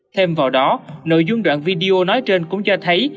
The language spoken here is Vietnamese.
thêm vào đó nội dung đoạn video nói trên cũng cho thấy